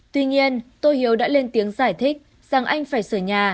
tuy nhiên tôi hiếu đã lên tiếng giải thích rằng anh phải sửa nhà